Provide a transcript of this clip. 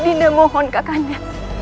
dinda mohon kakanda